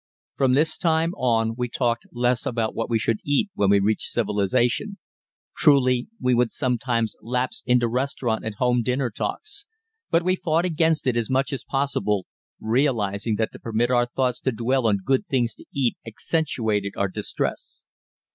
From this time on we talked less about what we should eat when we reached civilisation. True, we would sometimes lapse into restaurant and home dinner talks, but we fought against it as much as possible, realising that to permit our thoughts to dwell on good things to eat accentuated our distress.